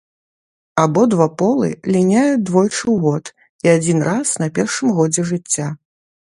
Абодва полы ліняюць двойчы ў год і адзін раз на першым годзе жыцця.